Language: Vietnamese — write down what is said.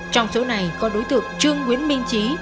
trong số này có đối tượng trương nguyễn minh trí